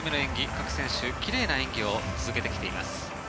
各選手、奇麗な演技を続けてきています。